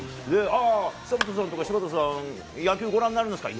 あぁ、久本さんとか、柴田さんも、野球ご覧になるんですか？